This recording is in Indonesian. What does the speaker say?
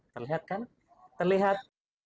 terlihat kan terlihat